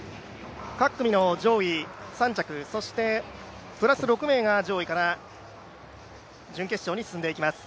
各組の上位３着、そしてプラス６名が上位から準決勝に進んでいきます。